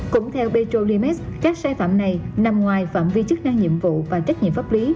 cũng theo petrolimax các sai phạm này nằm ngoài phạm vi chức năng nhiệm vụ và trách nhiệm pháp lý